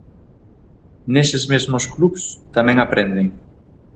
Neses mesmos clubs tamén aprenden.